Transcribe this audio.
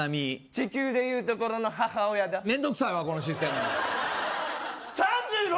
地球で言うところの母親だ面倒くさいわこのシステム３６